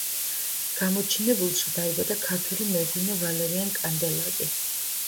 გამოჩინებულში დაიბადა ქართველი მეღვინე ვალერიან კანდელაკი.